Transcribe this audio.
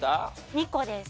２個です。